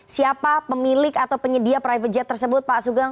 siapa pemilik atau penyedia private jet tersebut pak sugeng